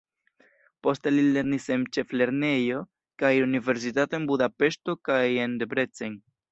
Poste li lernis en ĉeflernejo kaj universitato en Budapeŝto kaj en Debrecen.